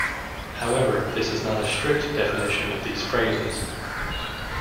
However, this is not a strict definition of these phrases.